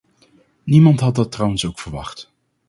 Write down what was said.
Niemand had dat trouwens ook verwacht.